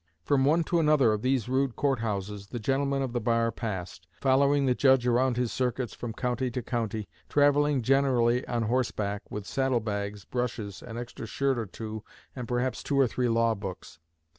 From one to another of these rude court houses the gentlemen of the bar passed, following the judge around his circuits from county to county, travelling generally on horseback, with saddle bags, brushes, an extra shirt or two, and perhaps two or three law books.